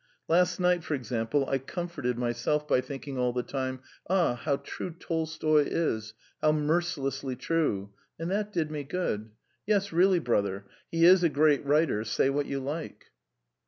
Last night, for example, I comforted myself by thinking all the time: 'Ah, how true Tolstoy is, how mercilessly true!' And that did me good. Yes, really, brother, he is a great writer, say what you like!"